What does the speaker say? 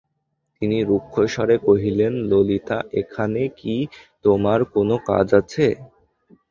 তিনি রুক্ষস্বরে কহিলেন, ললিতা, এখানে কি তোমার কোনো কাজ আছে?